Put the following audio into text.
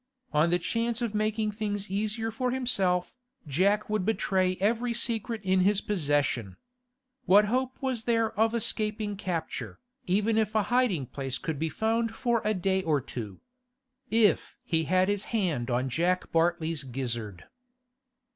On the chance of making things easier for himself, Jack would betray every secret in his possession. What hope was there of escaping capture, even if a hiding place could be found for a day or two? If he had his hand on Jack Bartley's gizzard.